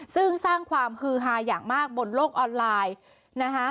ซึ่งสร้างความฮือฮาอย่างมากบนโลกออนไลน์นะคะ